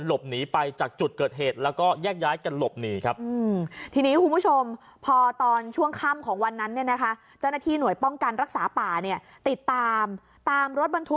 หลบหนีไปจากจุดเกิดเหตุแล้วก็แยกย้ายกันหลบหนีครับ